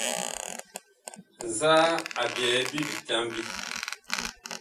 Nzaa a byɛ bi bitambi ?